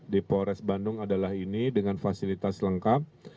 di polres bandung adalah ini dengan fasilitas lengkap